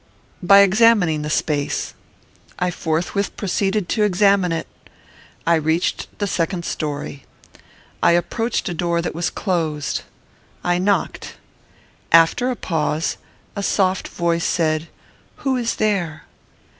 By examining the space. I forthwith proceeded to examine it. I reached the second story. I approached a door that was closed. I knocked. After a pause, a soft voice said, "Who is there?"